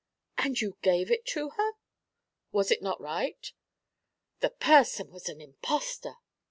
'And you gave it to her?' 'Was it not right?' 'The person was an impostor.'